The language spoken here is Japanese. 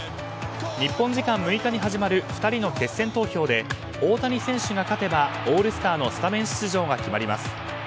日本時間６日に始まる２人の決選投票で大谷選手が勝てばオールスターのスタメン出場が決まります。